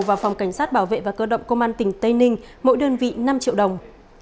và phòng cảnh sát bảo vệ và cơ động công an tỉnh tây ninh mỗi đơn vị năm triệu đồng